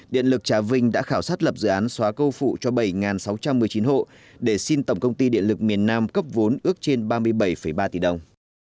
điện lực trà vinh đã khảo sát lập dự án xóa câu phụ cho bảy sáu trăm một mươi chín hộ để xin tổng công ty điện lực miền nam cấp vốn ước trên ba mươi bảy ba tỷ đồng